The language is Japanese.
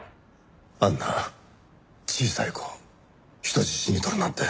あんな小さい子を人質にとるなんて！